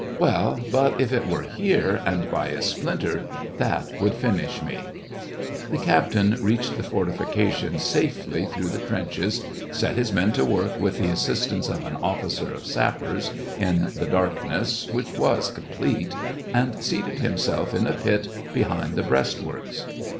Well, but if it were here, and by a splinter, that would finish me." The captain reached the fortifications safely 58 S^ VASTOPOL IN MA V. through the trenches, set his men to work, with the assistance of an officer of sappers, in the dark ness, which was complete, and seated himself in a pit behind the breastworks.